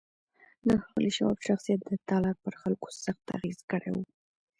د ښاغلي شواب شخصیت د تالار پر خلکو سخت اغېز کړی و